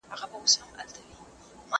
زه به ونې ته اوبه ورکړې وي،